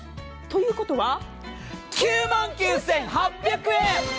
ということは、９万９８００円！